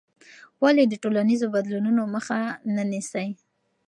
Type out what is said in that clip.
ولې د ټولنیزو بدلونونو مخه مه نیسې؟